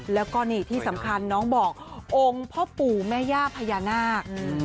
แล้วก็นี่ที่สำคัญน้องบอกองค์พ่อปู่แม่ย่าพญานาค